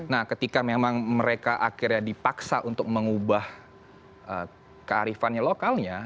nah ketika memang mereka akhirnya dipaksa untuk mengubah kearifannya lokalnya